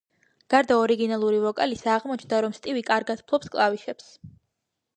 გარდა ორიგინალური ვოკალისა, აღმოჩნდა, რომ სტივი კარგად ფლობს კლავიშებს.